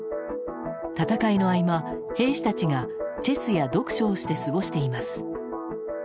戦いの合間、兵士たちがチェスや読書をして過ごしています。